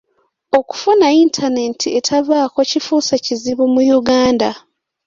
Okufuna yintanenti etavaako kifuuse kizibu mu Uganda.